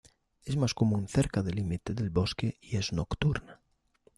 Es más común cerca del límite del bosque y es nocturna.